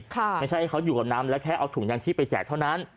ไม่ใช่ให้เขาอยู่กับน้ำและแค่เอาถุงยางชีพไปแจกเท่านั้น